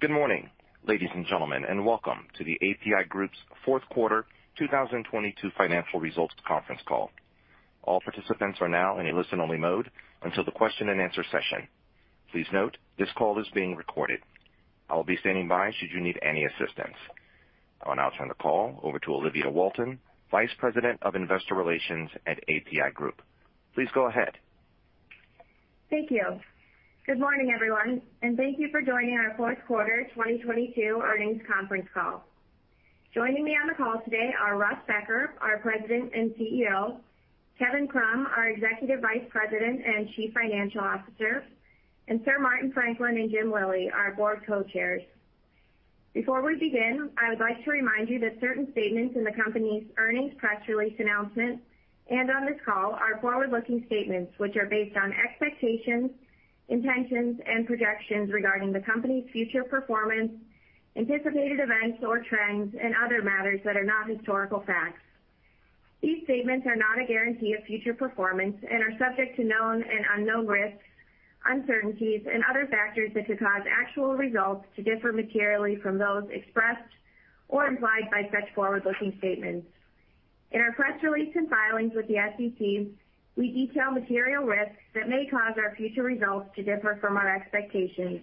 Good morning, ladies and gentlemen, and welcome to the APi Group's Q4 2022 financial results conference call. All participants are now in a listen-only mode until the question-and-answer session. Please note, this call is being recorded. I'll be standing by should you need any assistance. I'll now turn the call over to Olivia Walton, Vice President of Investor Relations at APi Group. Please go ahead. Thank you. Good morning, everyone, and thank you for joining our Q4 2022 earnings conference call. Joining me on the call today are Russ Becker, our President and CEO; Kevin Krumm, our Executive Vice President and Chief Financial Officer; and Sir Martin Franklin and Jim Lillie, our board co-chairs. Before we begin, I would like to remind you that certain statements in the company's earnings press release announcement and on this call are forward-looking statements which are based on expectations, intentions, and projections regarding the company's future performance, anticipated events or trends, and other matters that are not historical facts. These statements are not a guarantee of future performance and are subject to known and unknown risks, uncertainties, and other factors that could cause actual results to differ materially from those expressed or implied by such forward-looking statements. In our press release and filings with the SEC, we detail material risks that may cause our future results to differ from our expectations.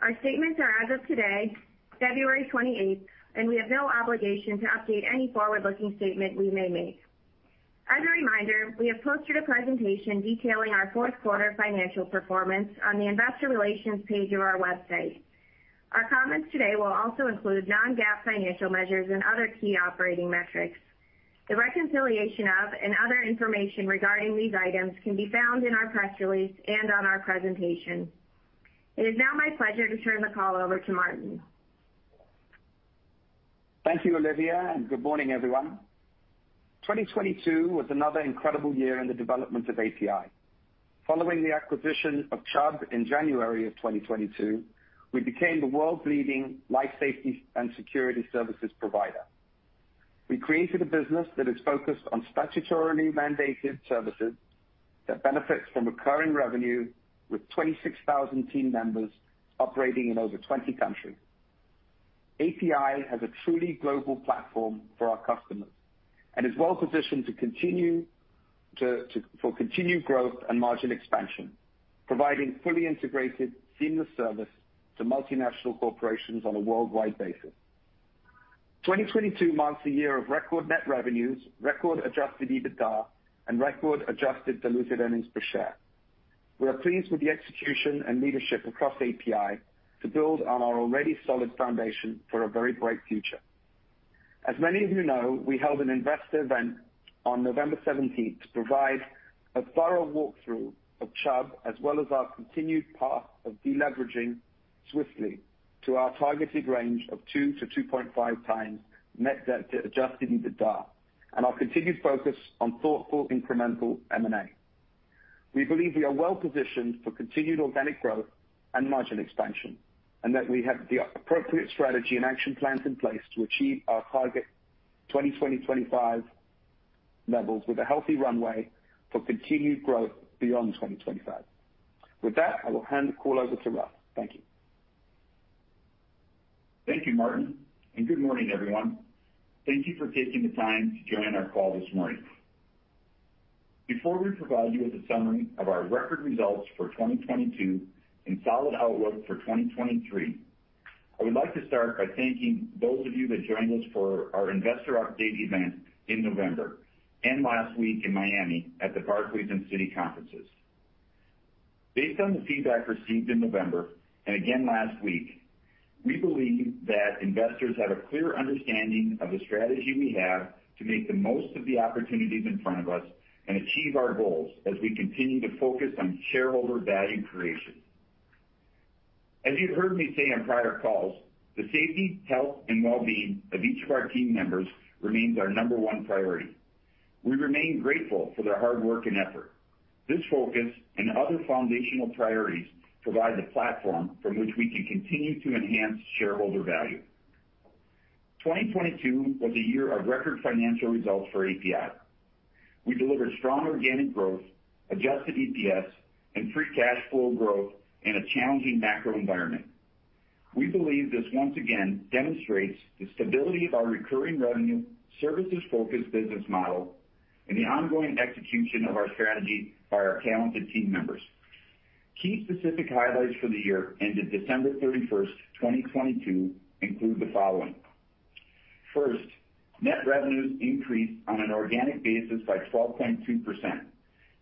Our statements are as of today, February 28th, and we have no obligation to update any forward-looking statement we may make. As a reminder, we have posted a presentation detailing our Q4 financial performance on the investor relations page of our website. Our comments today will also include non-GAAP financial measures and other key operating metrics. The reconciliation of and other information regarding these items can be found in our press release and on our presentation. It is now my pleasure to turn the call over to Martin. Thank you, Olivia, and good morning, everyone. 2022 was another incredible year in the development of APi. Following the acquisition of Chubb in January of 2022, we became the world's leading life safety and security services provider. We created a business that is focused on statutorily mandated services that benefits from recurring revenue with 26,000 team members operating in over 20 countries. APi has a truly global platform for our customers and is well positioned for continued growth and margin expansion, providing fully integrated seamless service to multinational corporations on a worldwide basis. 2022 marks a year of record net revenues, record adjusted EBITDA, and record adjusted diluted earnings per share. We are pleased with the execution and leadership across APi to build on our already solid foundation for a very bright future. As many of you know, we held an investor event on November 17th to provide a thorough walkthrough of Chubb, as well as our continued path of deleveraging swiftly to our targeted range of 2 to 2.5 times net debt to adjusted EBITDA and our continued focus on thoughtful incremental M&A. We believe we are well positioned for continued organic growth and margin expansion, that we have the appropriate strategy and action plans in place to achieve our target 2025 levels with a healthy runway for continued growth beyond 2025. With that, I will hand the call over to Russ. Thank you. Thank you, Martin. Good morning, everyone. Thank you for taking the time to join our call this morning. Before we provide you with a summary of our record results for 2022 and solid outlook for 2023, I would like to start by thanking those of you that joined us for our investor update event in November and last week in Miami at the Barclays and Citi conferences. Based on the feedback received in November and again last week, we believe that investors have a clear understanding of the strategy we have to make the most of the opportunities in front of us and achieve our goals as we continue to focus on shareholder value creation. As you've heard me say on prior calls, the safety, health, and well-being of each of our team members remains our number one priority. We remain grateful for their hard work and effort. This focus and other foundational priorities provide the platform from which we can continue to enhance shareholder value. 2022 was a year of record financial results for APi. We delivered strong organic growth, adjusted EPS, and free cash flow growth in a challenging macro environment. We believe this once again demonstrates the stability of our recurring revenue, services-focused business model, and the ongoing execution of our strategy by our talented team members. Key specific highlights for the year ended December 31, 2022 include the following. First, net revenues increased on an organic basis by 12.2%,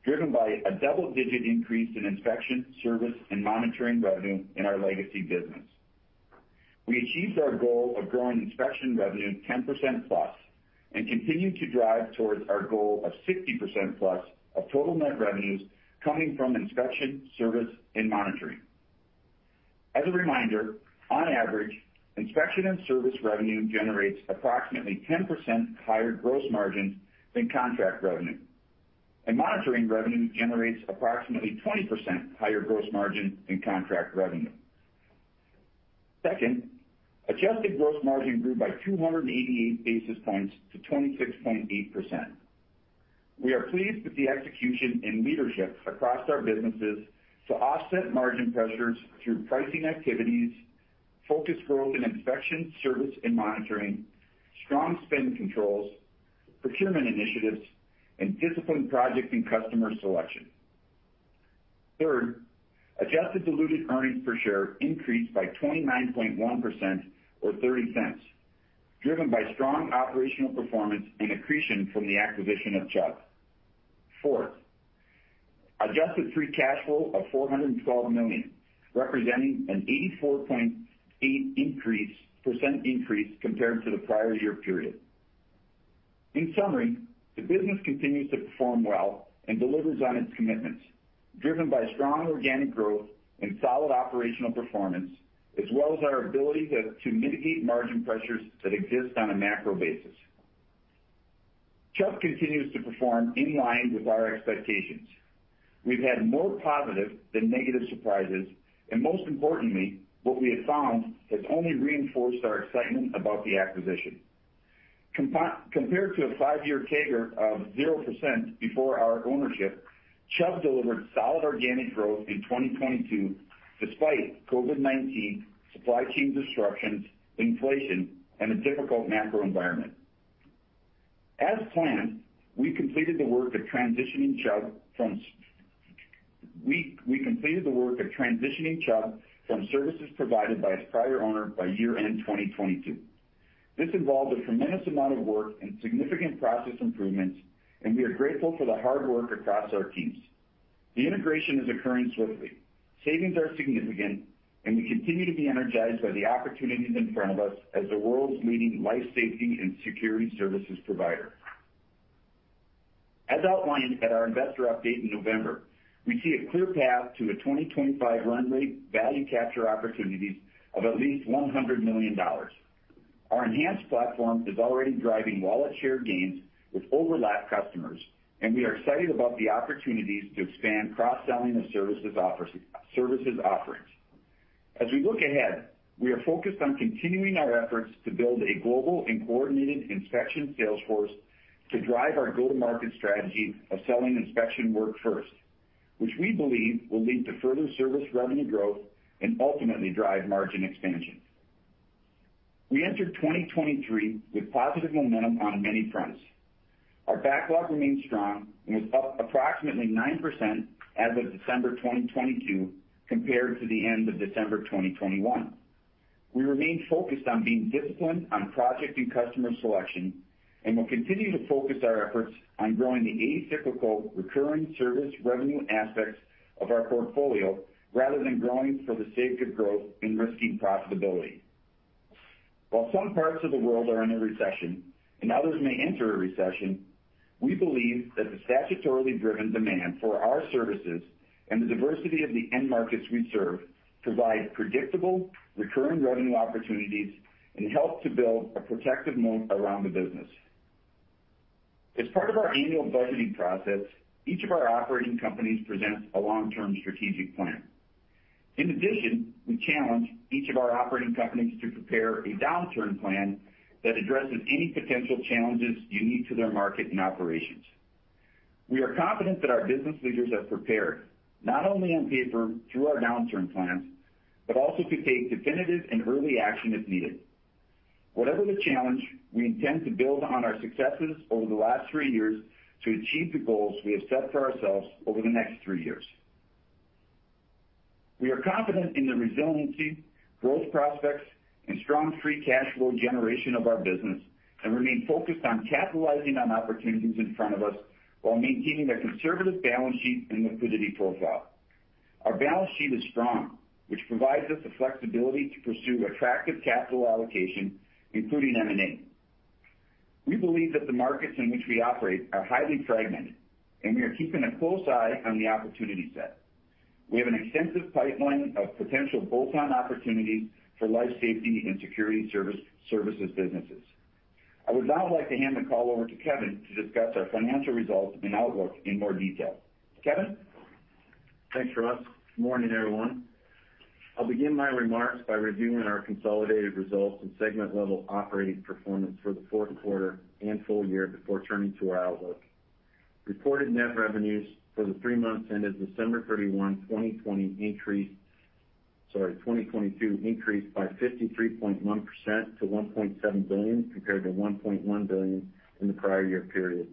driven by a double-digit increase in inspection, service, and monitoring revenue in our legacy business. We achieved our goal of growing inspection revenue 10%+ and continued to drive towards our goal of 60%+ of total net revenues coming from inspection, service, and monitoring. As a reminder, on average, inspection and service revenue generates approximately 10% higher gross margin than contract revenue, and monitoring revenue generates approximately 20% higher gross margin than contract revenue. Second, adjusted gross margin grew by 288 basis points to 26.8%. We are pleased with the execution and leadership across our businesses to offset margin pressures through pricing activities, focused growth in inspection service and monitoring, strong spend controls, procurement initiatives, and disciplined project and customer selection. Third, adjusted diluted earnings per share increased by 29.1% or $0.30, driven by strong operational performance and accretion from the acquisition of Chubb. Fourth, adjusted free cash flow of $412 million, representing an 84.8% increase compared to the prior year period. The business continues to perform well and delivers on its commitments, driven by strong organic growth and solid operational performance, as well as our ability to mitigate margin pressures that exist on a macro basis. Chubb continues to perform in line with our expectations. We've had more positive than negative surprises, most importantly, what we have found has only reinforced our excitement about the acquisition. Compared to a five-year CAGR of 0% before our ownership, Chubb delivered solid organic growth in 2022 despite COVID-19, supply chain disruptions, inflation, and a difficult macro environment. As planned, we completed the work of transitioning Chubb from services provided by its prior owner by year-end 2022. This involved a tremendous amount of work and significant process improvements. We are grateful for the hard work across our teams. The integration is occurring swiftly. Savings are significant. We continue to be energized by the opportunities in front of us as the world's leading life safety and security services provider. As outlined at our investor update in November, we see a clear path to a 2025 run rate value capture opportunities of at least $100 million. Our enhanced platform is already driving wallet share gains with overlap customers. We are excited about the opportunities to expand cross-selling of services offerings. As we look ahead, we are focused on continuing our efforts to build a global and coordinated inspection sales force to drive our go-to-market strategy of selling inspection work first, which we believe will lead to further service revenue growth and ultimately drive margin expansion. We entered 2023 with positive momentum on many fronts. Our backlog remains strong and was up approximately 9% as of December 2022 compared to the end of December 2021. We remain focused on being disciplined on project and customer selection. We'll continue to focus our efforts on growing the atypical recurring service revenue aspects of our portfolio rather than growing for the sake of growth and risking profitability. While some parts of the world are in a recession and others may enter a recession, we believe that the statutorily driven demand for our services and the diversity of the end markets we serve provide predictable recurring revenue opportunities and help to build a protective moat around the business. As part of our annual budgeting process, each of our operating companies presents a long-term strategic plan. In addition, we challenge each of our operating companies to prepare a downturn plan that addresses any potential challenges unique to their market and operations. We are confident that our business leaders have prepared not only on paper through our downturn plans, but also to take definitive and early action if needed. Whatever the challenge, we intend to build on our successes over the last three years to achieve the goals we have set for ourselves over the next three years. We are confident in the resiliency, growth prospects, and strong free cash flow generation of our business and remain focused on capitalizing on opportunities in front of us while maintaining a conservative balance sheet and liquidity profile. Our balance sheet is strong, which provides us the flexibility to pursue attractive capital allocation, including M&A. We believe that the markets in which we operate are highly fragmented. We are keeping a close eye on the opportunity set. We have an extensive pipeline of potential bolt-on opportunities for life safety and security services businesses. I would now like to hand the call over to Kevin to discuss our financial results and outlook in more detail. Kevin? Thanks, Russ. Morning, everyone. I'll begin my remarks by reviewing our consolidated results and segment level operating performance for the Q4 and full year before turning to our outlook. Reported net revenues for the three months ended December 31, 2022 increased by 53.1% to $1.7 billion compared to $1.1 billion in the prior year period.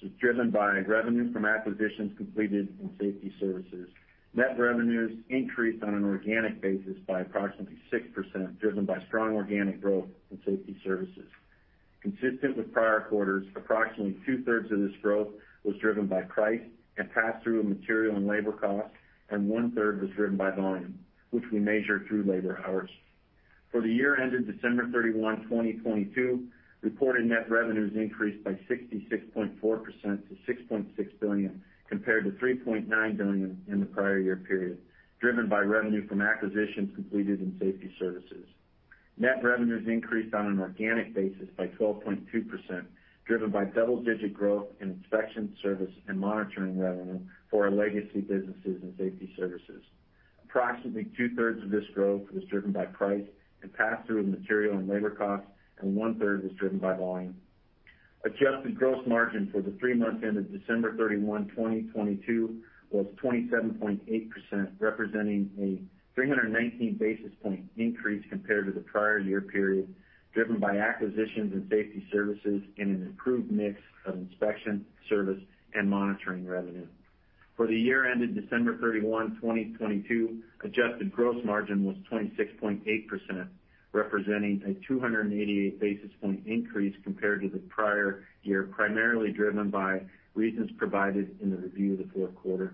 This is driven by revenue from acquisitions completed in Safety Services. Net revenues increased on an organic basis by approximately 6%, driven by strong organic growth in Safety Services. Consistent with prior quarters, approximately two-thirds of this growth was driven by price and pass-through of material and labor costs, one-third was driven by volume, which we measure through labor hours. For the year ended December 31, 2022, reported net revenues increased by 66.4% to $6.6 billion, compared to $3.9 billion in the prior year period, driven by revenue from acquisitions completed in Safety Services. Net revenues increased on an organic basis by 12.2%, driven by double-digit growth in inspection service and monitoring revenue for our legacy businesses and Safety Services. Approximately two-thirds of this growth was driven by price and pass through of material and labor costs, and one-third was driven by volume. Adjusted gross margin for the three months ended December 31, 2022, was 27.8%, representing a 319 basis point increase compared to the prior year period, driven by acquisitions and Safety Services and an improved mix of inspection service and monitoring revenue. For the year ended December 31, 2022, adjusted gross margin was 26.8%, representing a 288 basis point increase compared to the prior year, primarily driven by reasons provided in the review of the Q4.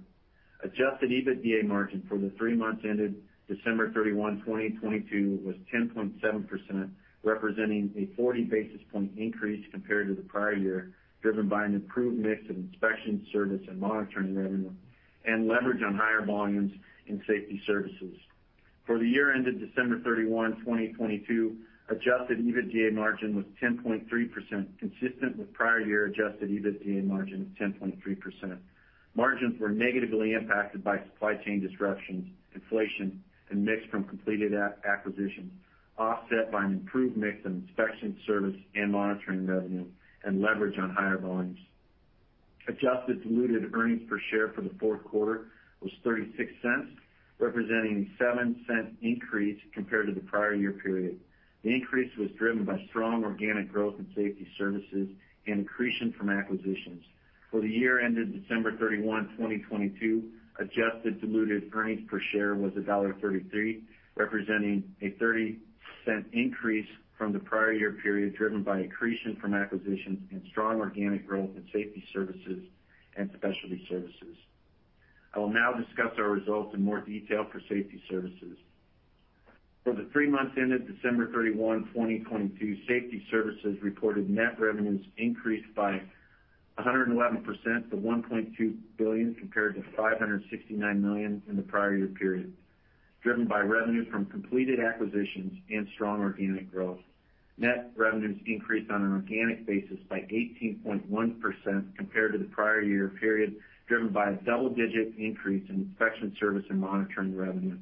Adjusted EBITDA margin for the three months ended December 31, 2022, was 10.7%, representing a 40 basis point increase compared to the prior year, driven by an improved mix of inspection service and monitoring revenue and leverage on higher volumes in Safety Services. For the year ended December 31, 2022, adjusted EBITDA margin was 10.3%, consistent with prior year adjusted EBITDA margin of 10.3%. Margins were negatively impacted by supply chain disruptions, inflation, and mix from completed acquisitions, offset by an improved mix of inspection service and monitoring revenue and leverage on higher volumes. Adjusted diluted earnings per share for the Q4 was $0.36, representing a $0.07 increase compared to the prior year period. The increase was driven by strong organic growth in Safety Services and accretion from acquisitions. For the year ended December 31, 2022, adjusted diluted earnings per share was $1.33, representing a $0.30 increase from the prior year period, driven by accretion from acquisitions and strong organic growth in Safety Services and Specialty Services. I will now discuss our results in more detail for Safety Services. For the three months ended December 31, 2022, Safety Services reported net revenues increased by 111% to $1.2 billion compared to $569 million in the prior year period, driven by revenue from completed acquisitions and strong organic growth. Net revenues increased on an organic basis by 18.1% compared to the prior year period, driven by a double-digit increase in inspection service and monitoring revenue.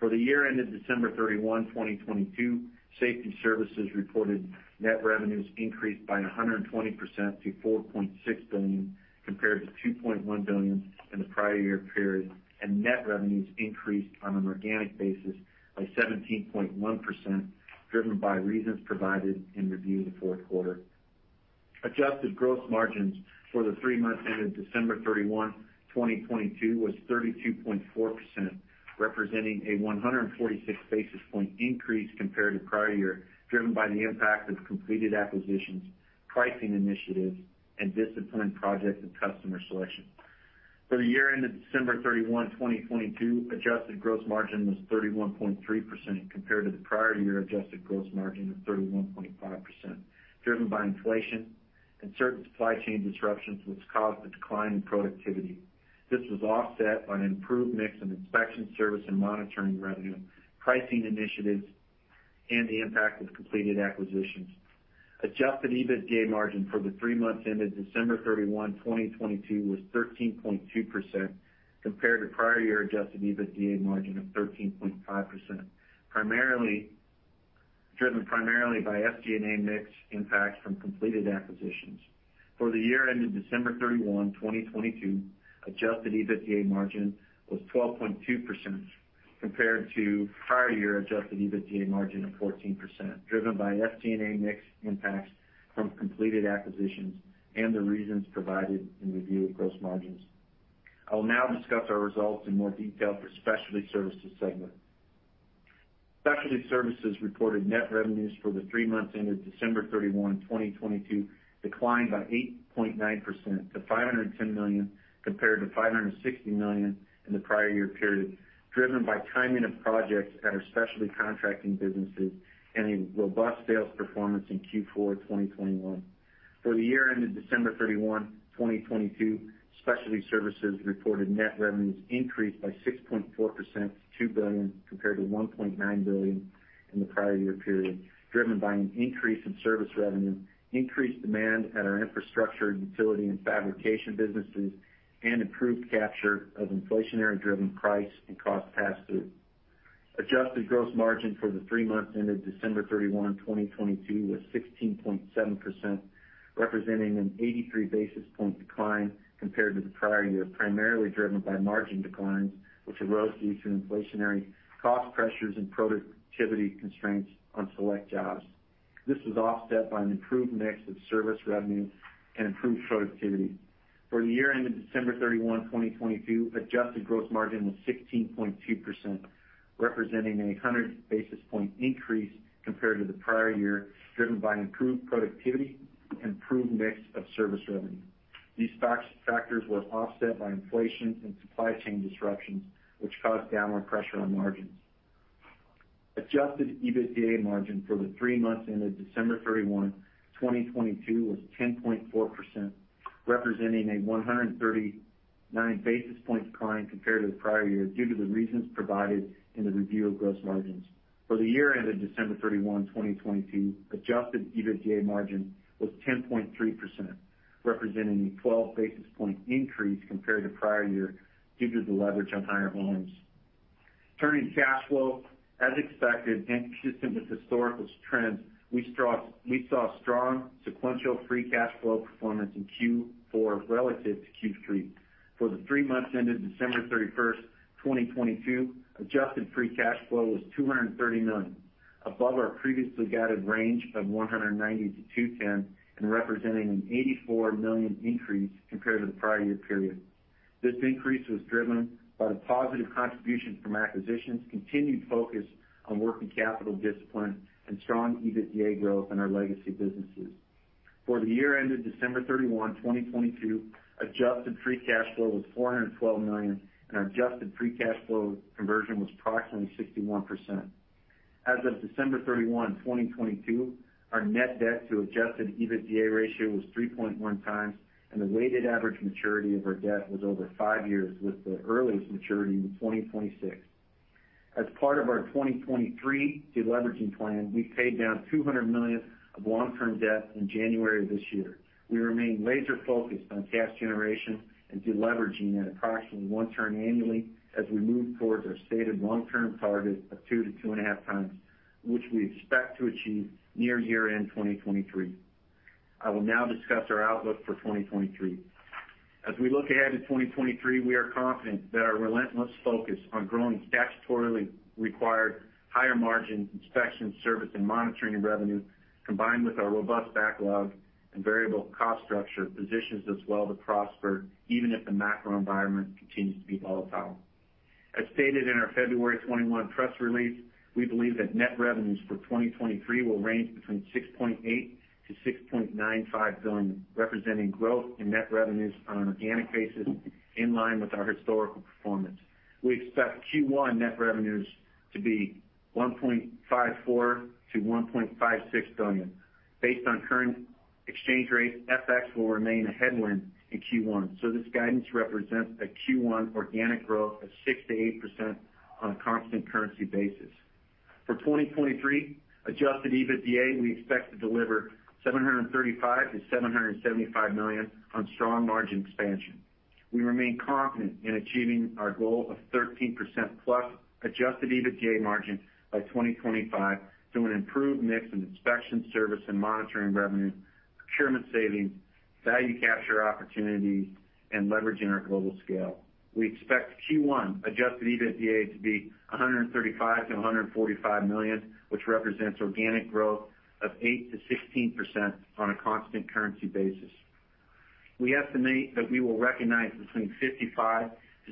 For the year ended December 31, 2022, Safety Services reported net revenues increased by 120% to $4.6 billion, compared to $2.1 billion in the prior year period, and net revenues increased on an organic basis by 17.1%, driven by reasons provided in review of the Q4. Adjusted gross margins for the three months ended December 31, 2022 was 32.4%, representing a 146 basis point increase compared to prior year, driven by the impact of completed acquisitions, pricing initiatives and disciplined project and customer selection. For the year ended December 31, 2022, adjusted gross margin was 31.3% compared to the prior year adjusted gross margin of 31.5%, driven by inflation and certain supply chain disruptions which caused a decline in productivity. This was offset by an improved mix of inspection service and monitoring revenue, pricing initiatives and the impact of completed acquisitions. Adjusted EBITDA margin for the three months ended December 31, 2022 was 13.2% compared to prior year adjusted EBITDA margin of 13.5%. Driven primarily by SG&A mix impacts from completed acquisitions. For the year ended December 31, 2022, adjusted EBITDA margin was 12.2% compared to prior year adjusted EBITDA margin of 14%, driven by SG&A mix impacts from completed acquisitions and the reasons provided in review of gross margins. I will now discuss our results in more detail for Specialty Services segment. Specialty Services reported net revenues for the three months ended December 31, 2022 declined by 8.9% to $510 million, compared to $560 million in the prior year period, driven by timing of projects at our specialty contracting businesses and a robust sales performance in Q4 2021. For the year ended December 31, 2022, Specialty Services reported net revenues increased by 6.4% to $2 billion, compared to $1.9 billion in the prior year period, driven by an increase in service revenue, increased demand at our infrastructure, utility and fabrication businesses, and improved capture of inflationary driven price and cost pass through. Adjusted gross margin for the three months ended December 31, 2022, was 16.7%, representing an 83 basis point decline compared to the prior year, primarily driven by margin declines which arose due to inflationary cost pressures and productivity constraints on select jobs. This was offset by an improved mix of service revenue and improved productivity. For the year ended December 31, 2022, adjusted gross margin was 16.2%, representing a 100 basis point increase compared to the prior year, driven by improved productivity and improved mix of service revenue. These factors were offset by inflation and supply chain disruptions which caused downward pressure on margins. Adjusted EBITDA margin for the three months ended December 31, 2022 was 10.4%, representing a 139 basis point decline compared to the prior year, due to the reasons provided in the review of gross margins. For the year ended December 31, 2022, adjusted EBITDA margin was 10.3%, representing a 12 basis point increase compared to prior year due to the leverage on higher volumes. Turning to cash flow. As expected and consistent with historical trends, we saw strong sequential free cash flow performance in Q4 relative to Q3. For the three months ended December 31st, 2022, adjusted free cash flow was $230 million, above our previously guided range of $190-$210, and representing an $84 million increase compared to the prior year period. This increase was driven by the positive contribution from acquisitions, continued focus on working capital discipline and strong EBITDA growth in our legacy businesses. For the year ended December 31, 2022, adjusted free cash flow was $412 million, and our adjusted free cash flow conversion was approximately 61%. As of December 31, 2022, our net debt to adjusted EBITDA ratio was 3.1 times, and the weighted average maturity of our debt was over five years, with the earliest maturity in 2026. As part of our 2023 deleveraging plan, we paid down $200 million of long-term debt in January of this year. We remain laser focused on cash generation and deleveraging at approximately 1 term annually as we move towards our stated long-term target of 2 to 2.5 times, which we expect to achieve near year-end 2023. I will now discuss our outlook for 2023. As we look ahead to 2023, we are confident that our relentless focus on growing statutorily required higher margin inspection service and monitoring revenue, combined with our robust backlog and variable cost structure, positions us well to prosper even if the macro environment continues to be volatile. As stated in our February 21 press release, we believe that net revenues for 2023 will range between $6.8 billion-$6.95 billion, representing growth in net revenues on an organic basis in line with our historical performance. We expect Q1 net revenues to be $1.54 billion-$1.56 billion. Based on current exchange rates, FX will remain a headwind in Q1, this guidance represents a Q1 organic growth of 6%-8% on a constant currency basis. For 2023 adjusted EBITDA, we expect to deliver $735 million-$775 million on strong margin expansion. We remain confident in achieving our goal of 13%+ adjusted EBITDA margin by 2025 through an improved mix in inspection service and monitoring revenue, procurement savings, value capture opportunities and leveraging our global scale. We expect Q1 adjusted EBITDA to be $135 million-$145 million, which represents organic growth of 8%-16% on a constant currency basis. We estimate that we will recognize between $55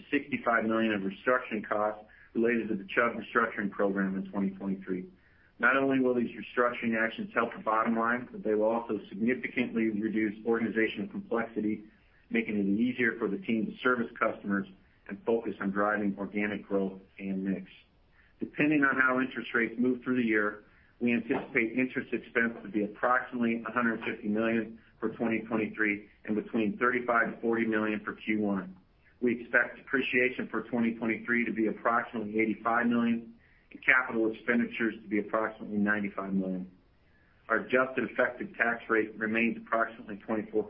million-$65 million of restructuring costs related to the Chubb restructuring program in 2023. Not only will these restructuring actions help the bottom line, but they will also significantly reduce organizational complexity, making it easier for the team to service customers and focus on driving organic growth and mix. Depending on how interest rates move through the year, we anticipate interest expense to be approximately $150 million for 2023 and between $35 million-$40 million for Q1. We expect depreciation for 2023 to be approximately $85 million and capital expenditures to be approximately $95 million. Our adjusted effective tax rate remains approximately 24%,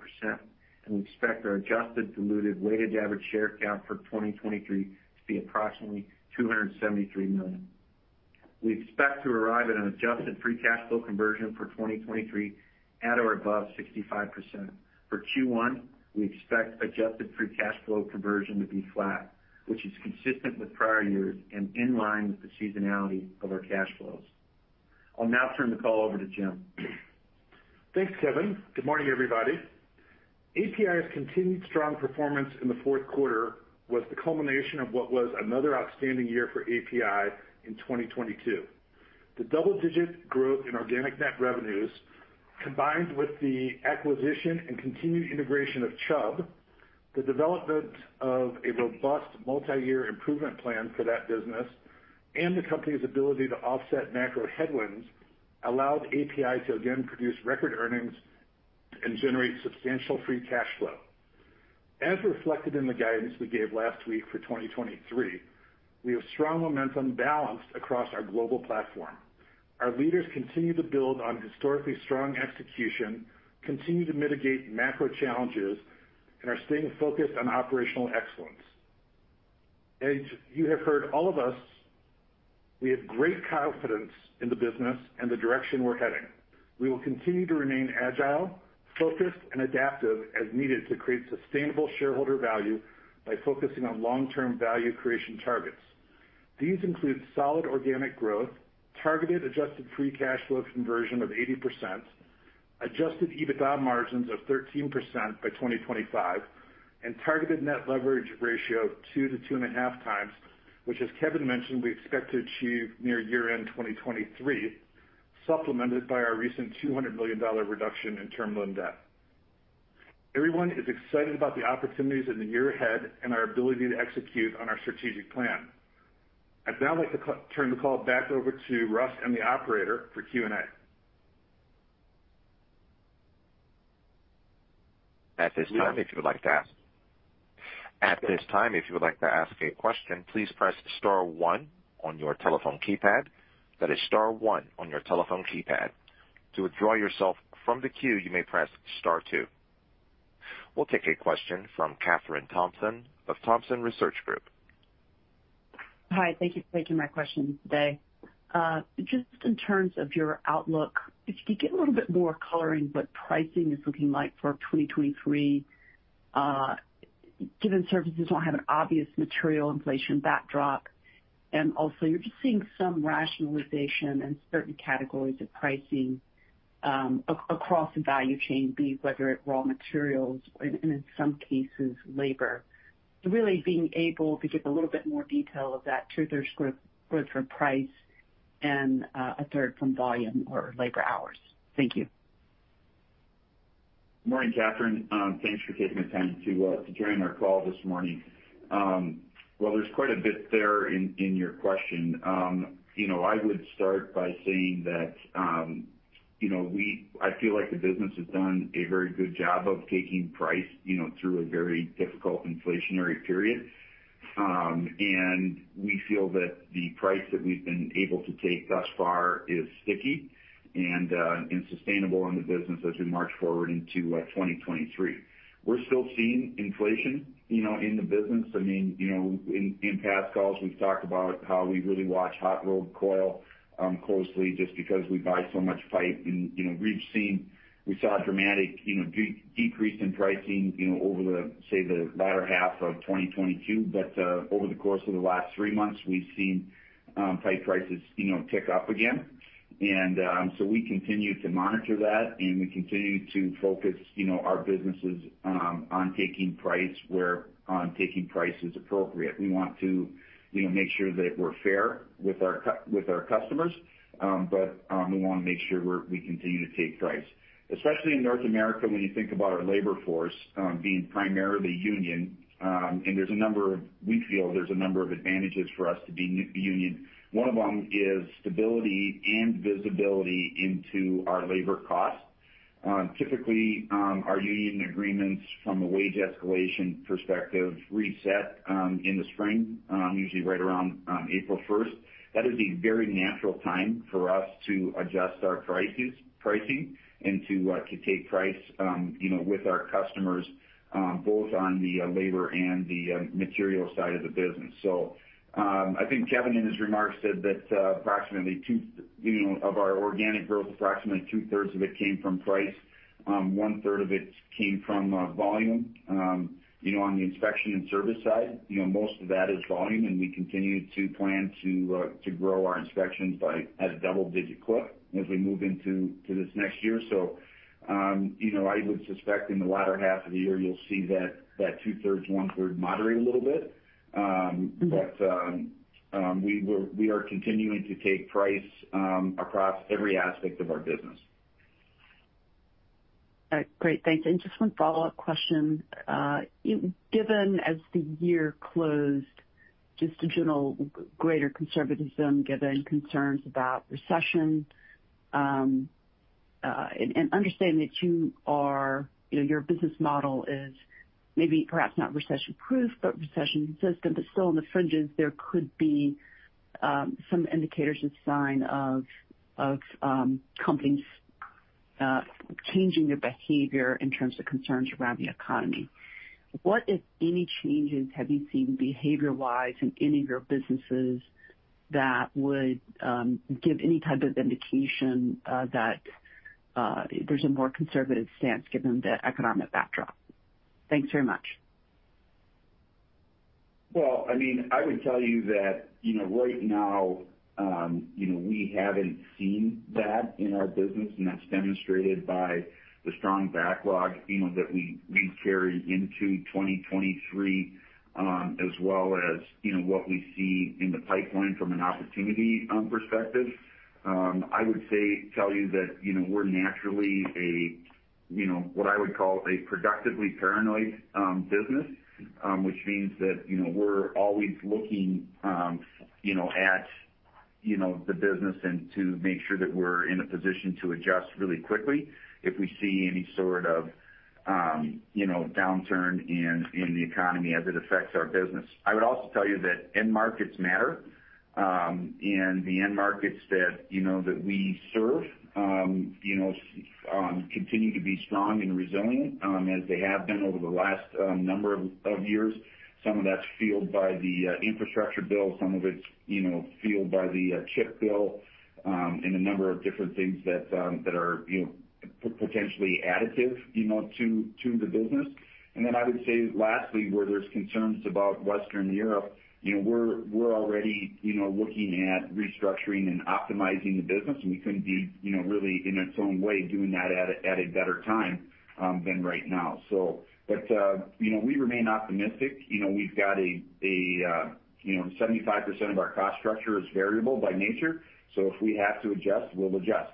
and we expect our adjusted diluted weighted average share count for 2023 to be approximately 273 million. We expect to arrive at an adjusted free cash flow conversion for 2023 at or above 65%. For Q1, we expect adjusted free cash flow conversion to be flat, which is consistent with prior years and in line with the seasonality of our cash flows. I'll now turn the call over to Jim. Thanks, Kevin. Good morning, everybody. APi's continued strong performance in the Q4 was the culmination of what was another outstanding year for APi in 2022. The double-digit growth in organic net revenues, combined with the acquisition and continued integration of Chubb, the development of a robust multiyear improvement plan for that business, and the company's ability to offset macro headwinds, allowed APi to again produce record earnings and generate substantial free cash flow. As reflected in the guidance we gave last week for 2023, we have strong momentum balanced across our global platform. Our leaders continue to build on historically strong execution, continue to mitigate macro challenges, and are staying focused on operational excellence. As you have heard all of us, we have great confidence in the business and the direction we're heading. We will continue to remain agile, focused, and adaptive as needed to create sustainable shareholder value by focusing on long-term value creation targets. These include solid organic growth, targeted adjusted free cash flow conversion of 80%, adjusted EBITDA margins of 13% by 2025, and targeted net leverage ratio of 2 to 2.5 times, which, as Kevin mentioned, we expect to achieve near year-end 2023, supplemented by our recent $200 million reduction in term loan debt. Everyone is excited about the opportunities in the year ahead and our ability to execute on our strategic plan. I'd now like to turn the call back over to Russ and the operator for Q&A. At this time, if you would like to ask a question, please press star one on your telephone keypad. That is star one on your telephone keypad. To withdraw yourself from the queue, you may press star two. We'll take a question from Kathryn Thompson of Thompson Research Group. Hi, thank you for taking my question today. Just in terms of your outlook, if you could give a little bit more coloring what pricing is looking like for 2023, given services don't have an obvious material inflation backdrop, and also you're just seeing some rationalization in certain categories of pricing, across the value chain, whether it raw materials and in some cases labor. Really being able to give a little bit more detail of that, two-thirds growth from price and a third from volume or labor hours. Thank you. Morning, Kathryn. Thanks for taking the time to join our call this morning. Well, there's quite a bit there in your question. You know, I would start by saying that, you know, I feel like the business has done a very good job of taking price, you know, through a very difficult inflationary period. And we feel that the price that we've been able to take thus far is sticky and sustainable in the business as we march forward into 2023. We're still seeing inflation, you know, in the business. I mean, you know, in past calls, we've talked about how we really watch hot rolled coil closely just because we buy so much pipe. You know, we've seen... We saw a dramatic, you know, decrease in pricing, you know, over the, say, the latter half of 2022. Over the course of the last three months, we've seen pipe prices, you know, tick up again. We continue to monitor that, and we continue to focus, you know, our businesses on taking price as appropriate. We want to, you know, make sure that we're fair with our customers, but we want to make sure we continue to take price. Especially in North America, when you think about our labor force being primarily union, and we feel there's a number of advantages for us to be union. One of them is stability and visibility into our labor costs. Typically, our union agreements from a wage escalation perspective reset in the spring, usually right around April first. That is a very natural time for us to adjust our pricing and to take price, you know, with our customers, both on the labor and the material side of the business. I think Kevin, in his remarks, said that, you know, of our organic growth, approximately two-thirds of it came from price. One-third of it came from volume. You know, on the inspection and service side, you know, most of that is volume, and we continue to plan to grow our inspections by at a double-digit clip as we move into this next year. You know, I would suspect in the latter half of the year, you'll see that 2/3, 1/3 moderate a little bit. We are continuing to take price across every aspect of our business. All right. Great. Thanks. Just one follow-up question. Given as the year closed, just a general greater conservatism given concerns about recession, and understanding that you are, you know, your business model is maybe perhaps not recession-proof, but recession-resistant, but still in the fringes, there could be some indicators and sign of companies changing their behavior in terms of concerns around the economy. What, if any, changes have you seen behavior-wise in any of your businesses that would give any type of indication that there's a more conservative stance given the economic backdrop? Thanks very much. Well, I mean, I would tell you that, you know, right now, you know, we haven't seen that in our business, and that's demonstrated by the strong backlog, you know, that we carry into 2023, as well as, you know, what we see in the pipeline from an opportunity, perspective. I would tell you that, you know, we're naturally a, you know, what I would call a productively paranoid, business, which means that, you know, we're always looking, you know, at, you know, the business and to make sure that we're in a position to adjust really quickly if we see any sort of, you know, downturn in the economy as it affects our business. I would also tell you that end markets matter. The end markets that, you know, that we serve, you know, continue to be strong and resilient, as they have been over the last number of years. Some of that's fueled by the Infrastructure Bill, some of it's, you know, fueled by the CHIPS Bill, and a number of different things that are, you know, potentially additive, you know, to the business. Then I would say lastly, where there's concerns about Western Europe, you know, we're already, you know, looking at restructuring and optimizing the business, and we couldn't be, you know, really, in its own way, doing that at a better time than right now. You know, we remain optimistic. You know, we've got you know, 75% of our cost structure is variable by nature. If we have to adjust, we'll adjust.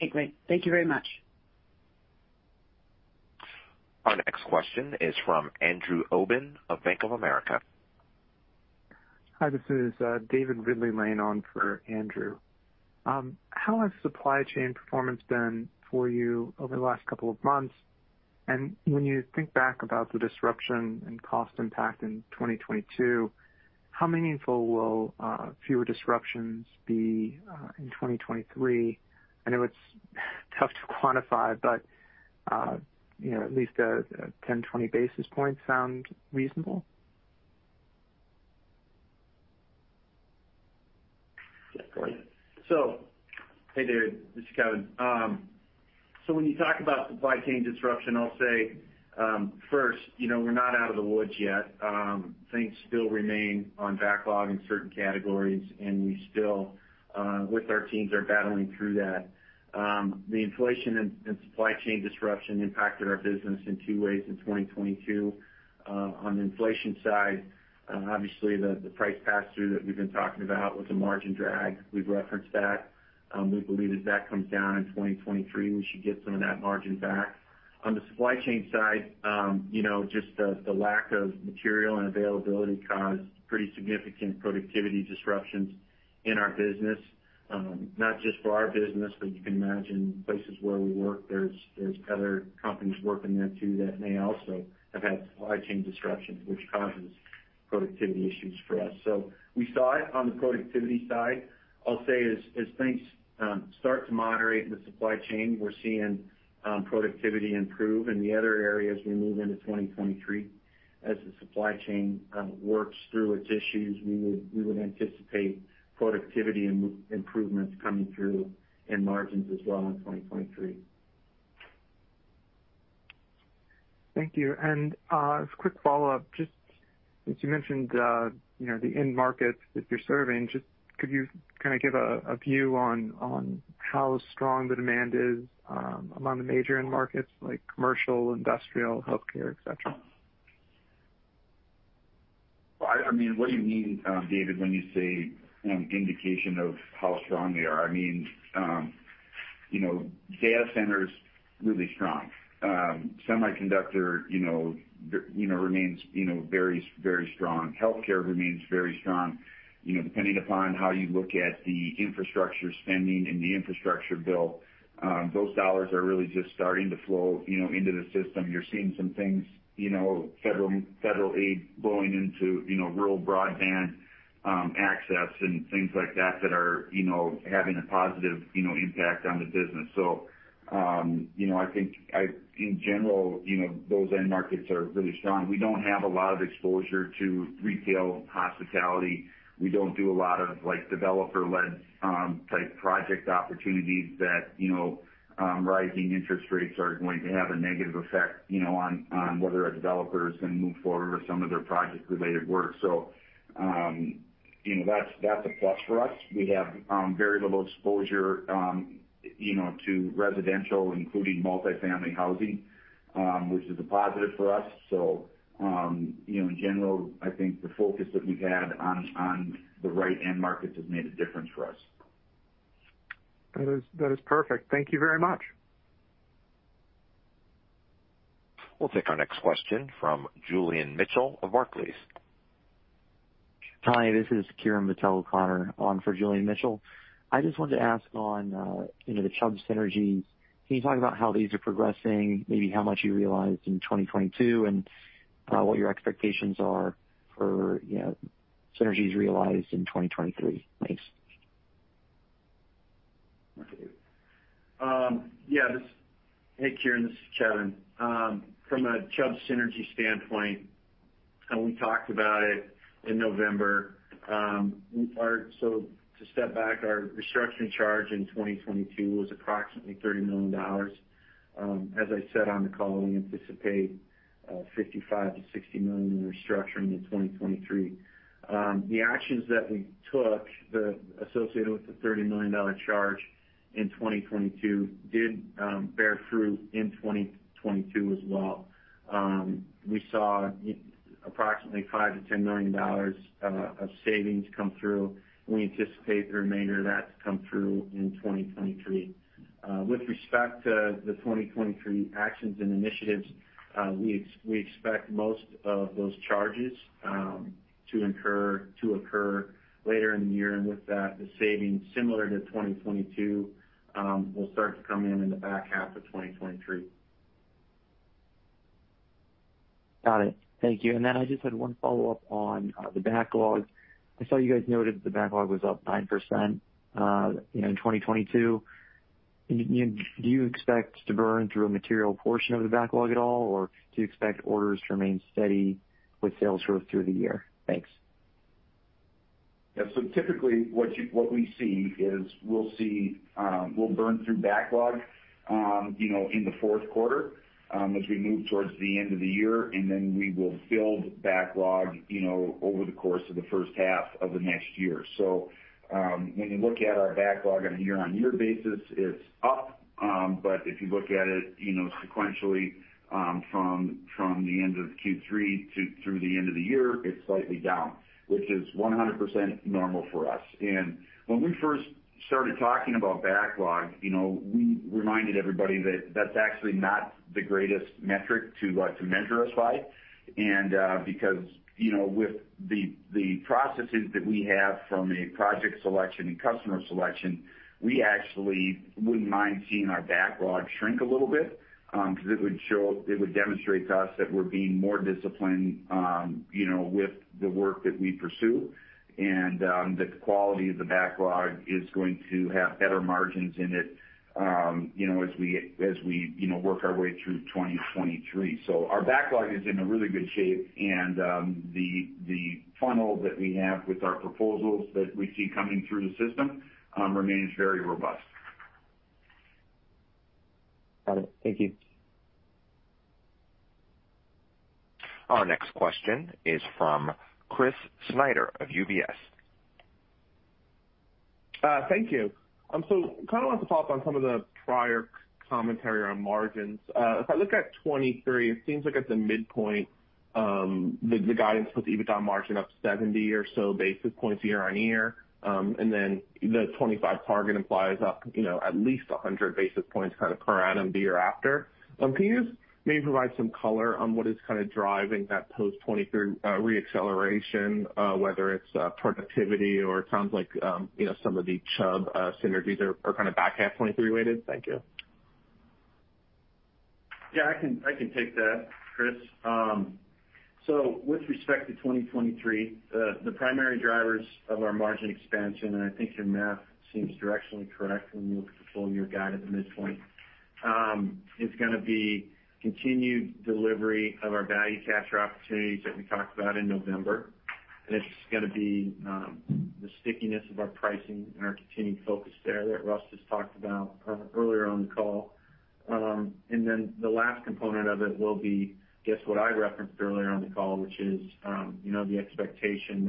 Okay, great. Thank you very much. Our next question is from Andrew Obin of Bank of America. Hi, this is David Ridley-Lane laying on for Andrew. How has supply chain performance been for you over the last couple of months? When you think back about the disruption and cost impact in 2022, how meaningful will fewer disruptions be in 2023? I know it's tough to quantify, you know, at least a 10, 20 basis points sound reasonable? Hey there, this is Kevin. When you talk about the supply chain disruption, I'll say, first, you know, we're not out of the woods yet. Things still remain on backlog in certain categories, and we still, with our teams, are battling through that. The inflation and supply chain disruption impacted our business in two ways in 2022. On the inflation side, obviously the price pass-through that we've been talking about was a margin drag. We've referenced that. We believe as that comes down in 2023, we should get some of that margin back. On the supply chain side, you know, just the lack of material and availability caused pretty significant productivity disruptions in our business. Not just for our business, but you can imagine places where we work, there's other companies working there too that may also have had supply chain disruptions, which causes productivity issues for us. We saw it on the productivity side. I'll say as things start to moderate in the supply chain, we're seeing productivity improve. In the other areas, we move into 2023 as the supply chain works through its issues, we would anticipate productivity improvements coming through in margins as well in 2023. Thank you. Just a quick follow-up, just since you mentioned, you know, the end markets that you're serving, just could you kinda give a view on how strong the demand is, among the major end markets like commercial, industrial, healthcare, et cetera? Well, I mean, what do you mean, David, when you say an indication of how strong they are? I mean, you know, data center's really strong. Semiconductor, you know, there, you know, remains, you know, very, very strong. Healthcare remains very strong. You know, depending upon how you look at the infrastructure spending and the infrastructure bill, those dollars are really just starting to flow, you know, into the system. You're seeing some things, you know, federal aid going into, you know, rural broadband, access and things like that that are, you know, having a positive, you know, impact on the business. You know, I think in general, you know, those end markets are really strong. We don't have a lot of exposure to retail, hospitality. We don't do a lot of, like, developer-led, type project opportunities that, you know, rising interest rates are going to have a negative effect, you know, on whether a developer is gonna move forward with some of their project-related work. That's a plus for us. We have, very little exposure, you know, to residential, including multifamily housing, which is a positive for us. In general, I think the focus that we've had on the right end markets has made a difference for us. That is perfect. Thank you very much. We'll take our next question from Julian Mitchell of Barclays. Hi, this is Kiran Patel-O'Connor on for Julian Mitchell. I just wanted to ask on, you know, the Chubb synergies. Can you talk about how these are progressing, maybe how much you realized in 2022, and what your expectations are for, you know, synergies realized in 2023? Thanks. Hey, Kiran, this is Kevin. From a Chubb synergy standpoint, we talked about it in November, our restructuring charge in 2022 was approximately $30 million. As I said on the call, we anticipate $55 million-$60 million in restructuring in 2023. The actions that we took associated with the $30 million charge in 2022 did bear fruit in 2022 as well. We saw approximately $5 million-$10 million of savings come through. We anticipate the remainder of that to come through in 2023. With respect to the 2023 actions and initiatives, we expect most of those charges to occur later in the year. With that, the savings similar to 2022, will start to come in in the back half of 2023. Got it. Thank you. Then I just had 1 follow-up on the backlog. I saw you guys noted the backlog was up 9% in 2022. Do you expect to burn through a material portion of the backlog at all, or do you expect orders to remain steady with sales growth through the year? Thanks. Typically what we see is we'll burn through backlog, you know, in the Q4, as we move towards the end of the year, and then we will build backlog, you know, over the course of the first half of the next year. When you look at our backlog on a year-on-year basis, it's up. If you look at it, you know, sequentially, from the end of Q3 through the end of the year, it's slightly down, which is 100% normal for us. When we first started talking about backlog, you know, we reminded everybody that that's actually not the greatest metric to, like, to measure us by. Because, you know, with the processes that we have from a project selection and customer selection, we actually wouldn't mind seeing our backlog shrink a little bit, 'cause it would demonstrate to us that we're being more disciplined, you know, with the work that we pursue and that the quality of the backlog is going to have better margins in it, you know, as we, as we, you know, work our way through 2023. Our backlog is in a really good shape, and the funnel that we have with our proposals that we see coming through the system remains very robust. Got it. Thank you. Our next question is from Christopher Snyder of UBS. Thank you. Kind of want to follow up on some of the prior commentary on margins. If I look at 2023, it seems like at the midpoint, the guidance puts EBITDA margin up 70 or so basis points year-over-year. The 2025 target implies up, you know, at least 100 basis points kind of per annum the year after. Can you just maybe provide some color on what is kind of driving that post 2023 re-acceleration, whether it's productivity or it sounds like, you know, some of the Chubb synergies are kind of back half 2023 related? Thank you. Yeah, I can take that, Chris. With respect to 2023, the primary drivers of our margin expansion, and I think your math seems directionally correct when you look at the full year guide at the midpoint, is gonna be continued delivery of our value capture opportunities that we talked about in November. It's gonna be the stickiness of our pricing and our continued focus there that Russ just talked about earlier on the call. The last component of it will be, I guess, what I referenced earlier on the call, which is, you know, the expectation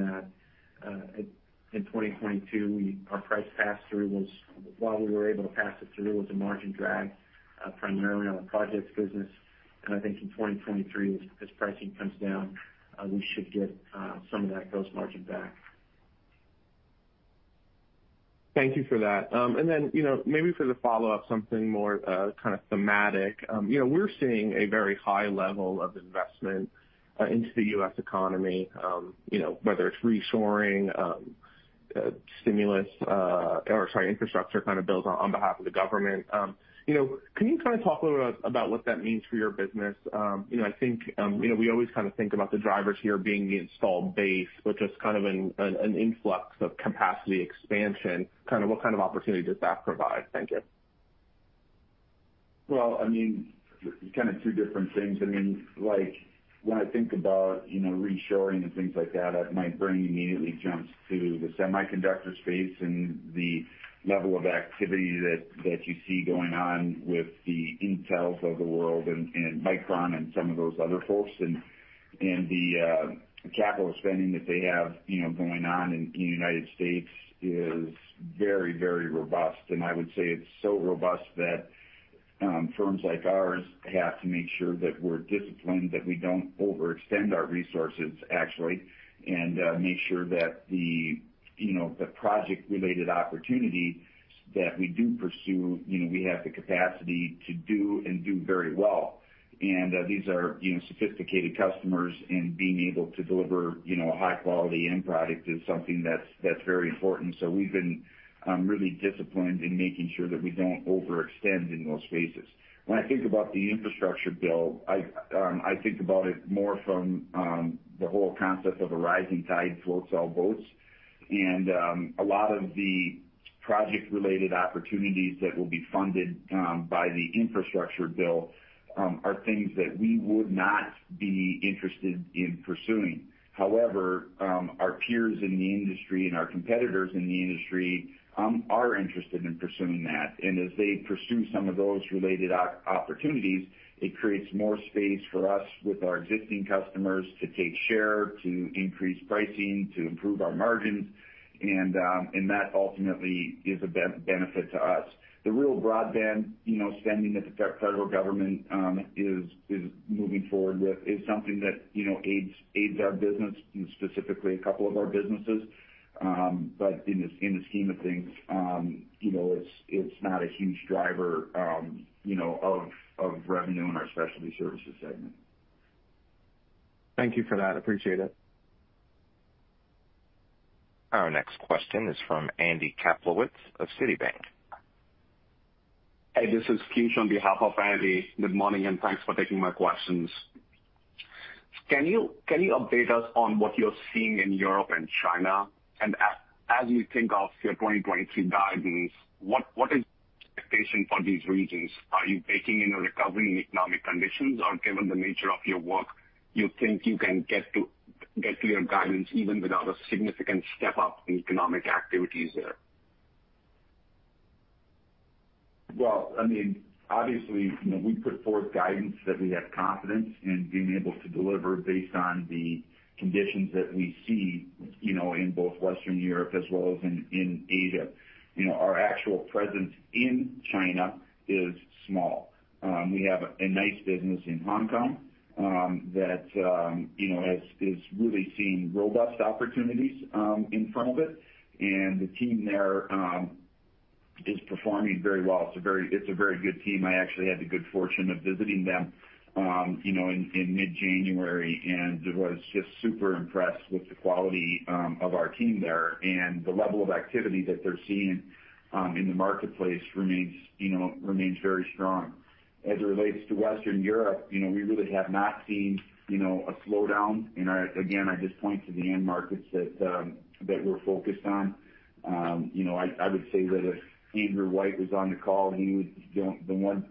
that in 2022, our price pass-through was, while we were able to pass it through, was a margin drag, primarily on the projects business. I think in 2023, as pricing comes down, we should get some of that gross margin back. Thank you for that. You know, maybe for the follow-up, something more kind of thematic. You know, we're seeing a very high level of investment into the U.S. economy, you know, whether it's reshoring, stimulus, or sorry, infrastructure kind of builds on behalf of the government. You know, can you kind of talk a little about what that means for your business? You know, I think, you know, we always kind of think about the drivers here being the installed base, which is kind of an influx of capacity expansion. Kind of what kind of opportunity does that provide? Thank you. Well, I mean, kind of two different things. I mean, like when I think about, you know, reshoring and things like that, my brain immediately jumps to the semiconductor space and the level of activity that you see going on with the Intels of the world and Micron and some of those other folks. The capital spending that they have, you know, going on in United States is very robust. I would say it's so robust that firms like ours have to make sure that we're disciplined, that we don't overextend our resources actually, and make sure that the, you know, the project-related opportunities that we do pursue, you know, we have the capacity to do and do very well. These are, you know, sophisticated customers, and being able to deliver, you know, a high-quality end product is something that's very important. We've been really disciplined in making sure that we don't overextend in those spaces. When I think about the Infrastructure Bill, I think about it more from the whole concept of a rising tide floats all boats. A lot of the project-related opportunities that will be funded by the Infrastructure Bill are things that we would not be interested in pursuing. However, our peers in the industry and our competitors in the industry are interested in pursuing that. As they pursue some of those related opportunities, it creates more space for us with our existing customers to take share, to increase pricing, to improve our margins, and that ultimately is a benefit to us. The real broadband, you know, spending that the federal government is moving forward with is something that, you know, aids our business and specifically a couple of our businesses. In the scheme of things, you know, it's not a huge driver, you know, of revenue in our Specialty Services segment. Thank you for that. Appreciate it. Our next question is from Andy Kaplowitz of Citi. Hey, this is Kim on behalf of Andy. Good morning, and thanks for taking my questions. Can you update us on what you're seeing in Europe and China? As you think of your 2023 guidance, what is the expectation for these regions? Are you baking in a recovery in economic conditions, or given the nature of your work, you think you can get to your guidance even without a significant step up in economic activities there? I mean, obviously, you know, we put forth guidance that we have confidence in being able to deliver based on the conditions that we see, you know, in both Western Europe as well as in Asia. You know, our actual presence in China is small. We have a nice business in Hong Kong, that, you know, is really seeing robust opportunities in front of it. The team there, is performing very well. It's a very good team. I actually had the good fortune of visiting them, you know, in mid-January and was just super impressed with the quality of our team there. The level of activity that they're seeing in the marketplace remains, you know, remains very strong. As it relates to Western Europe, you know, we really have not seen, you know, a slowdown. I, again, I just point to the end markets that we're focused on. you know, I would say that if Andrew White was on the call, the one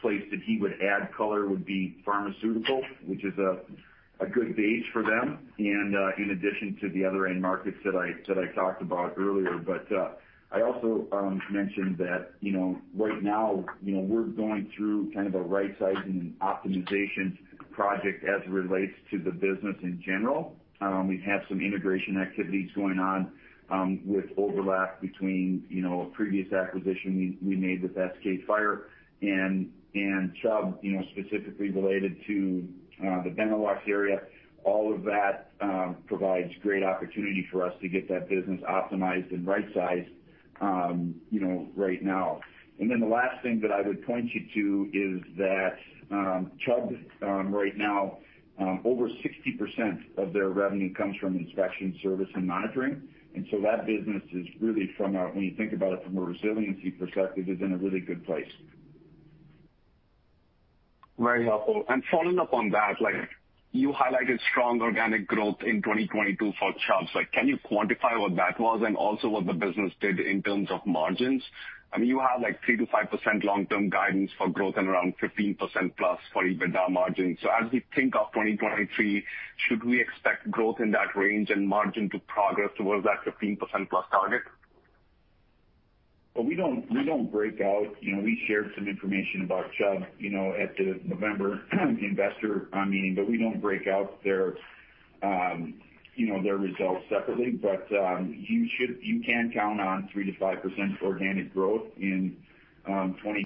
place that he would add color would be pharmaceutical, which is a good base for them, and, in addition to the other end markets that I, that I talked about earlier. I also, mentioned that, you know, right now, you know, we're going through kind of a right-sizing and optimization project as it relates to the business in general. We have some integration activities going on with overlap between, you know, a previous acquisition we made with SK Fire and Chubb, you know, specifically related to the Benelux area. All of that provides great opportunity for us to get that business optimized and right-sized, you know, right now. The last thing that I would point you to is that Chubb right now over 60% of their revenue comes from inspection service and monitoring. That business is really when you think about it from a resiliency perspective, is in a really good place. Very helpful. Following up on that, like you highlighted strong organic growth in 2022 for Chubb. Can you quantify what that was and also what the business did in terms of margins? I mean, you have like 3%-5% long-term guidance for growth and around 15%+ for EBITDA margins. As we think of 2023, should we expect growth in that range and margin to progress towards that 15%+ target? We don't break out... You know, we shared some information about Chubb, you know, at the November investor meeting, but we don't break out their, you know, their results separately. You can count on 3% to 5% organic growth in 2023.